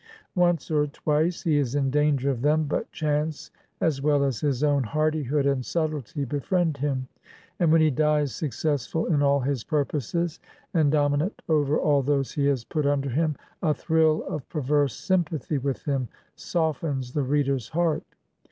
Once or twice he is in danger of them, but chance as well as his own hardihood and subtlety befriend him; and when he dies successful in all his purposes, and domi nant over all those he has put under him, a thrill of perverse sympathy with him softens the reader's heart.